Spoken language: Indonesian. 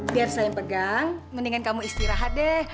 biar saya pegang mendingan kamu istirahat